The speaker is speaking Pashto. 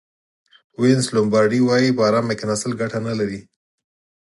وینس لومبارډي وایي په ارامه کېناستل ګټه نه لري.